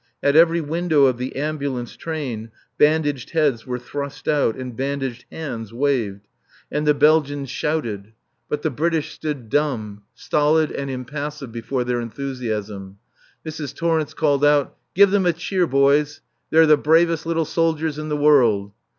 At every window of the ambulance train bandaged heads were thrust out and bandaged hands waved. And the Belgians shouted. But the British stood dumb, stolid and impassive before their enthusiasm. Mrs. Torrence called out, "Give them a cheer, boys. They're the bravest little soldiers in the world."